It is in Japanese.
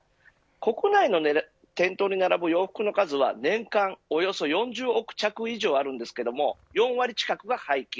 国内の店頭に並ぶ洋服の数は年間およそ４０億着以上あるんですが４割近くが廃棄。